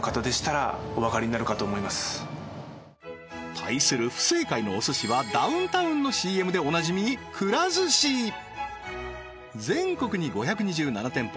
対する不正解のお寿司はダウンタウンのＣＭでおなじみ全国に５２７店舗